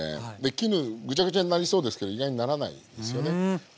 絹ぐちゃぐちゃになりそうですけど意外にならないんですよね。